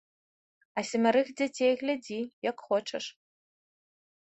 А семярых дзяцей глядзі, як хочаш.